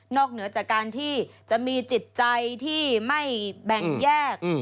เหนือจากการที่จะมีจิตใจที่ไม่แบ่งแยก